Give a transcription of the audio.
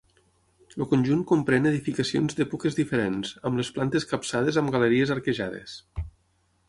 El conjunt comprèn edificacions d'èpoques diferents, amb les plantes capçades amb galeries arquejades.